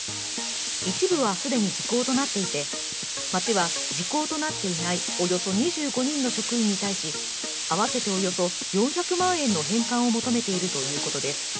一部は既に時効となっていて町は時効となっていない、およそ２５人の職員に対し、合わせておよそ４００万円の返還を求めているということです。